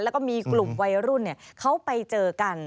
แล้วก็มีกลุ่มวัยรุ่นเขาไปเจอกัน